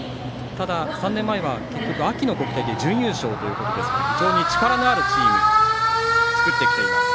ただ、３年前は結局、秋の大会で準優勝ということで非常に力のあるチームを作ってきています。